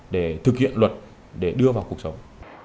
để thực hiện luật để đưa vào cuộc sống